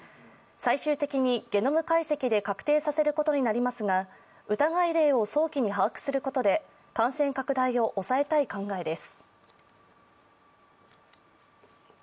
最終的にゲノム解析で確定させることになりますが、疑い例を早期に把握することで感染拡大を抑えたい考えです。